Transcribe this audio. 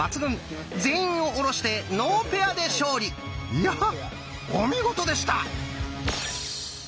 いやお見事でした！